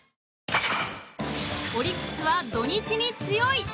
オリックスは土日に強い。